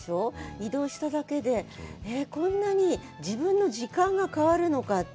移動しただけで、こんなに自分の時間が変わるのかって。